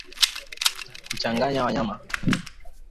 Kuchanganya wanyama